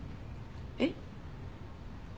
えっ？